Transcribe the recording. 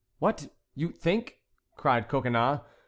"What, you think"—cried Coconnas.